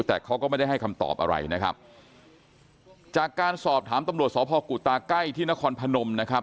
แต่เขาก็ไม่ได้ให้คำตอบอะไรนะครับจากการสอบถามตำรวจสพกุตาใกล้ที่นครพนมนะครับ